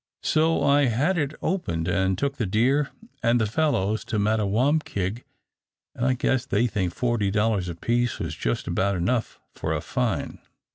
So I had it opened and took the deer and the fellows to Mattawamkeag, and I guess they think forty dollars apiece was just about enough for a fine."